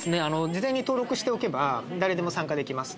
事前に登録しておけば誰でも参加できます